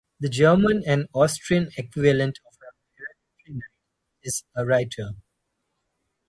The German and Austrian equivalent of an hereditary knight is a "Ritter".